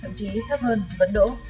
thậm chí thấp hơn vẫn đỗ